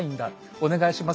お願いします